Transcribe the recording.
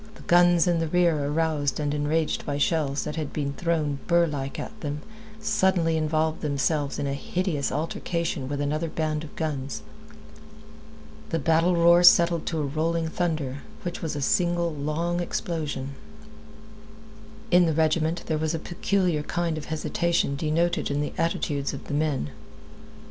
The guns in the rear, aroused and enraged by shells that had been thrown burr like at them, suddenly involved themselves in a hideous altercation with another band of guns. The battle roar settled to a rolling thunder, which was a single, long explosion. In the regiment there was a peculiar kind of hesitation denoted in the attitudes of the men.